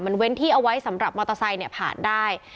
มันเว้นที่เอาไว้สำหรับมอเตอร์ไซค์เนี่ยผ่านได้